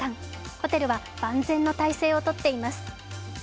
ホテルは万全の態勢をとっています。